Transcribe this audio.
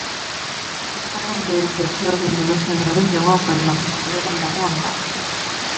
그 사람들의 대표적인 문화생활은 영화 관람, 노래방이라고 한다.